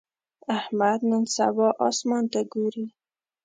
احمد نن سبا اسمان ته ګوري.